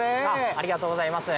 ありがとうございます。